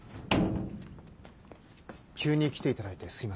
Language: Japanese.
急に来ていただいてすみません。